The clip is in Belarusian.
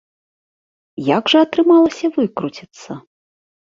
Як жа атрымалася выкруціцца?